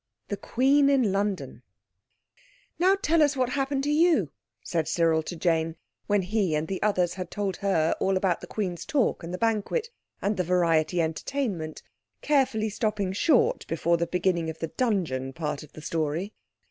THE QUEEN IN LONDON "Now tell us what happened to you," said Cyril to Jane, when he and the others had told her all about the Queen's talk and the banquet, and the variety entertainment, carefully stopping short before the beginning of the dungeon part of the story.